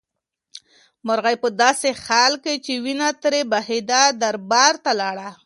مرغۍ په داسې حال کې چې وینه ترې بهېده دربار ته لاړه.